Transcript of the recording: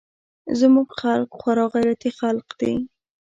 زموږ خلق خورا غيرتي خلق دي.